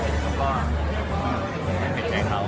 มันก็มันเห็นแข่งเขา